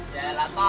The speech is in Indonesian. ya lah tok